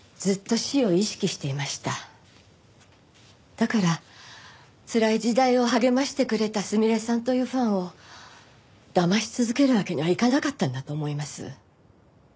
だからつらい時代を励ましてくれたすみれさんというファンをだまし続けるわけにはいかなかったんだと思います。